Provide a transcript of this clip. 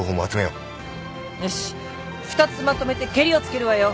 よし２つまとめてけりをつけるわよ。